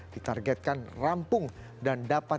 ditargetkan rampung dan dapat